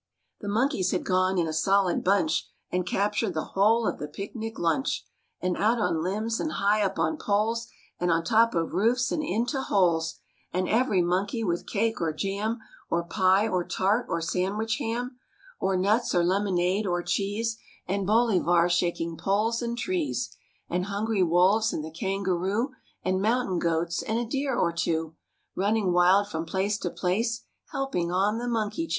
The monkeys had gone in a solid bunch And captured the whole of the picnic lunch, And out on limbs and high up on poles, And on top of roofs and into holes, And every monkey with cake or jam, Or pie or tart or sandwich ham, Or nuts or lemonade or cheese ; And Bolivar shaking poles and trees, And hungry wolves and the kangaroo, And mountain goats and a deer or two Running wild from place to place, Helping on the monkey chase.